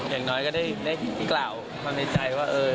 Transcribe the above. อย่างน้อยก็ได้กล่าวมาในใจว่า